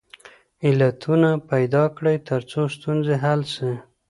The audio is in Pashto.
علتونه پیدا کړئ ترڅو ستونزې حل سي.